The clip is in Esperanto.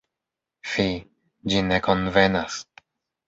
Fi, ĝi ne konvenas!